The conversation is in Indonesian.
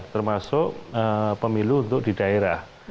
termasuk pemilu untuk di daerah